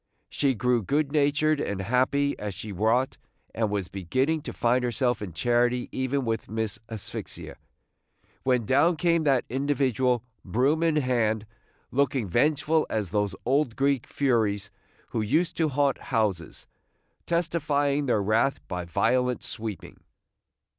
She grew good natured and happy as she wrought, and was beginning to find herself in charity even with Miss Asphyxia, when down came that individual, broom in hand, looking vengeful as those old Greek Furies who used to haunt houses, testifying their wrath by violent sweeping.